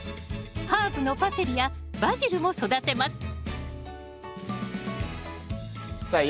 ハーブのパセリやバジルも育てますさあ